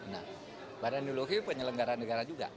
nah badan ideologi penyelenggara negara juga